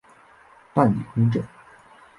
办理公证